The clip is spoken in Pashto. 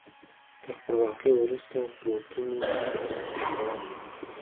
تر خپلواکۍ وروسته حکومتونو هم ورته تګلاره خپله کړه.